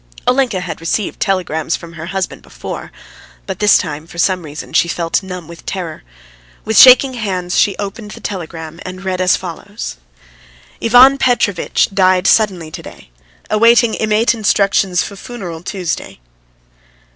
Olenka had received telegrams from her husband before, but this time for some reason she felt numb with terror. With shaking hands she opened the telegram and read as follows: "IVAN PETROVITCH DIED SUDDENLY TO DAY. AWAITING IMMATE INSTRUCTIONS FUFUNERAL TUESDAY."